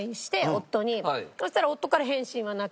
そしたら夫から返信はなく。